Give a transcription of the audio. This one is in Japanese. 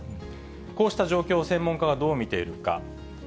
こうした状況を専門家はどう見ているか。